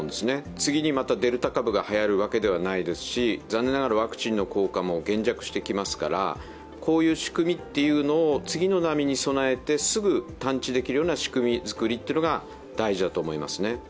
次にまたデルタ株がはやるわけではないですし残念ながらワクチンの効果も減弱してきますから、こういう仕組みというのを次の波に備えてすぐに探知できる仕組み作りが大事だと思いますね。